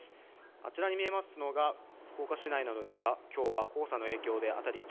あちらに見えますのが、福岡市内なのですが、きょうは黄砂の影響で辺り一